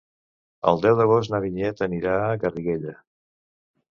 El deu d'agost na Vinyet anirà a Garriguella.